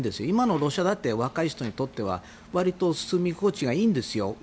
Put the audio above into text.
今のロシアだって若い人にとっては割と住み心地がいいんですよ。